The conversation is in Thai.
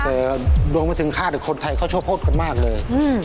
แต่ดวงไม่ถึงฆาตคนไทยเขาชั่วกันมากเลย